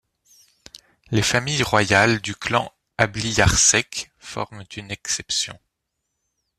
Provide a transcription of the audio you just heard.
Les familles royales du clan Ablïarsec forment une exception.